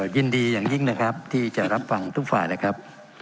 ยินดีอย่างยิ่งนะครับที่จะรับฟังทุกฝ่ายนะครับ